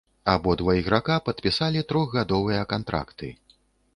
Абодва іграка падпісалі трохгадовыя кантракты.